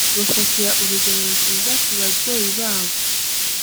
Bafatira urugero rwiza ku ababyeyi babo